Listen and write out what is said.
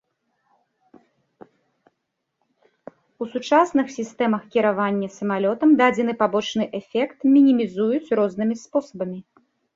У сучасных сістэмах кіравання самалётам дадзены пабочны эфект мінімізуюць рознымі спосабамі.